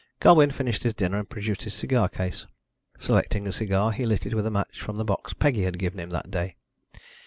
Colwyn finished his dinner and produced his cigar case. Selecting a cigar, he lit it with a match from the box Peggy had given him that day.